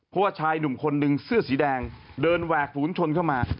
เพราะว่าชายหนุ่มคนนึงเสื้อสีแดงเดินแหวกฝูนชนเข้ามา